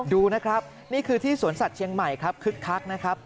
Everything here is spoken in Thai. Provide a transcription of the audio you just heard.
ดูนะครับนี่คือที่สวนสัตว์เชียงใหม่ครับคึกคักนะครับ